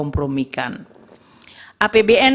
dan juga untuk menjaga kepentingan dan kepentingan kesehatan